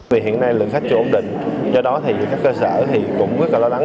vì hiện nay nguồn khách chưa ổn định do đó thì các cơ sở cũng rất lo đắng